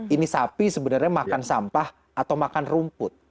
ini sapi sebenarnya makan sampah atau makan rumput